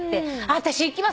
私行きます！